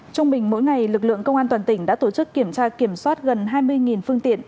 trung bình mỗi ngày lực lượng công an toàn tỉnh đã tổ chức kiểm tra kiểm soát gần hai mươi phương tiện